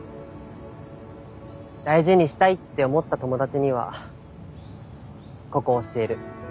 大事にしたいって思った友達にはここを教える。